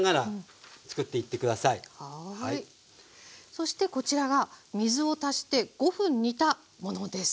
そしてこちらが水を足して５分煮たものです。